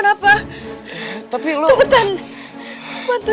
tapi lo betan bantuin dewa tolong udah udah hati hati ya di sini ya ya hati hati